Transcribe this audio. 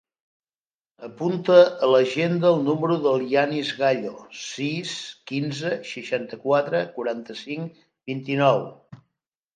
Apunta a l'agenda el número del Yanis Gallo: sis, quinze, seixanta-quatre, quaranta-cinc, vint-i-nou.